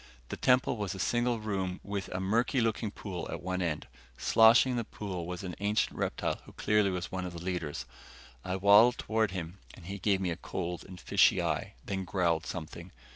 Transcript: The temple was a single room with a murky looking pool at one end. Sloshing in the pool was an ancient reptile who clearly was one of the leaders. I waddled toward him and he gave me a cold and fishy eye, then growled something.